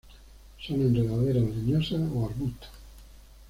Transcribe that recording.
Son enredaderas leñosas o arbustos.